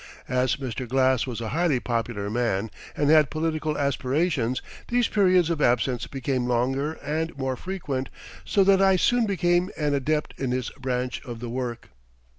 As Mr. Glass was a highly popular man, and had political aspirations, these periods of absence became longer and more frequent, so that I soon became an adept in his branch of the work.